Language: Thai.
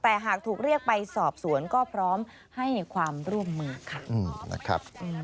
แต่หากถูกเรียกไปสอบสวนก็พร้อมให้ความร่วมมือค่ะนะครับ